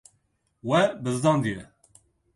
We bizdandiye.